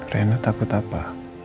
rena takut apa